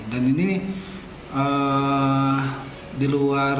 dan ini di luar